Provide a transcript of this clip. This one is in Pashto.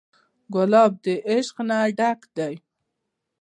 ګلاب د عشق نه ډک دی.